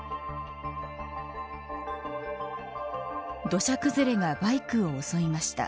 土砂崩れがバイクを襲いました。